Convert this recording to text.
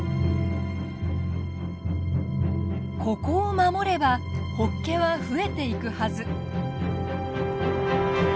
ここを守ればホッケは増えていくはず。